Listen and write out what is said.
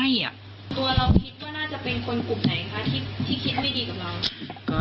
ตัวเราคิดว่าน่าจะเป็นคนกลุ่มไหนคะที่คิดไม่ดีกับเรา